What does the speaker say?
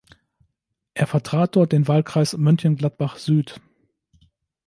Er vertrat dort den Wahlkreis Mönchengladbach-Süd.